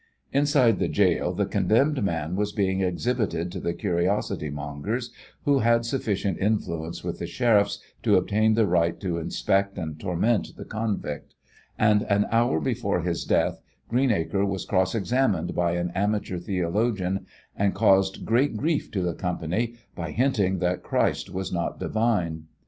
Inside the gaol the condemned man was being exhibited to the curiosity mongers who had sufficient influence with the sheriffs to obtain the right to inspect and torment the convict, and an hour before his death Greenacre was cross examined by an amateur theologian and caused "great grief" to the company by hinting that Christ was not divine.